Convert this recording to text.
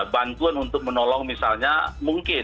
bantuan untuk menolong misalnya mungkin